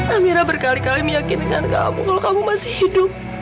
amira berkali kali meyakinkan kamu kalau kamu masih hidup